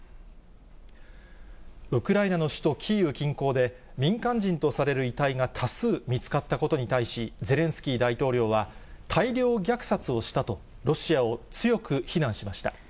ウクライナの首都キーウ近郊で、民間人とされる遺体が多数見つかったことに対し、ゼレンスキー大統領は、大量虐殺をしたと、ロシアを強く非難しました。